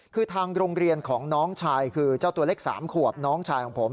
คือทางโรงเรียนของน้องชายคือเจ้าตัวเล็ก๓ขวบน้องชายของผม